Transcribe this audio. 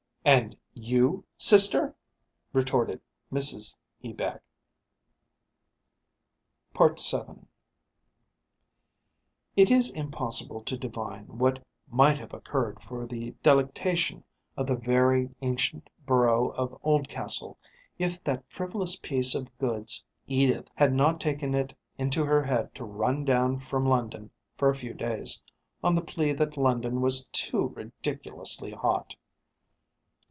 "And you, sister!" retorted Mrs Ebag. VII It is impossible to divine what might have occurred for the delectation of the very ancient borough of Oldcastle if that frivolous piece of goods, Edith, had not taken it into her head to run down from London for a few days, on the plea that London was too ridiculously hot.